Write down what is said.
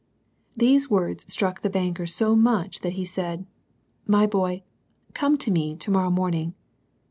These words struck the banker so much that he said, " My boy, come to me to morrow morning."